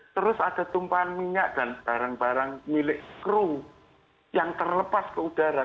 terus ada tumpahan minyak dan barang barang milik kru yang terlepas ke udara